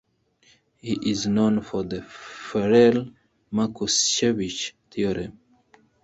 He is known for the Farrell–Markushevich theorem.